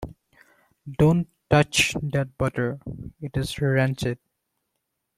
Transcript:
Don't touch that butter. It's rancid!